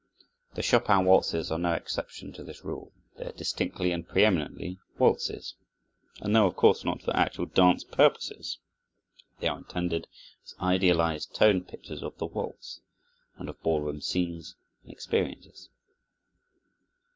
The Chopin waltzes are no exception to this rule. They are distinctly and preëminently waltzes; and though of course not for actual dance purposes, they are intended as idealized tone pictures of the waltz, and of ball room scenes and experiences.